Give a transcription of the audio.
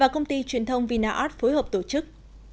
khi truyền thông vinaart phối hợp tổ chức